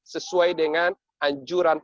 sesuai dengan anjuran